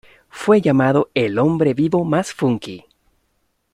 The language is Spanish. Fue llamado "el hombre vivo más funky".